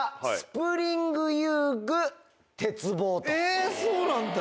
えそうなんだ。